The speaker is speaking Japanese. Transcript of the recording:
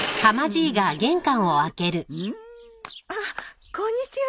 うん？あっこんにちは。